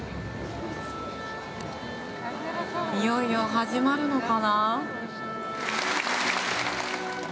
いよいよ始まるのかな？